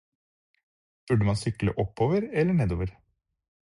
Burde man sykle oppover eller nedover?